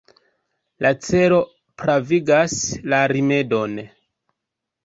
La celo pravigas la rimedon.